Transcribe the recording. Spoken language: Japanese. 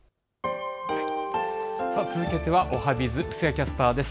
続けてはおはＢｉｚ、布施谷キャスターです。